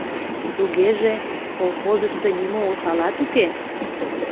Тугеже, колхозышто нимо осалат уке?